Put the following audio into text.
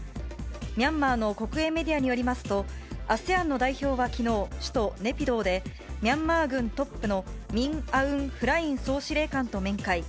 ミャンマーの国営メディアによりますと、ＡＳＥＡＮの代表はきのう、首都ネピドーで、ミャンマー軍トップのミン・アウン・フライン総司令官と面会。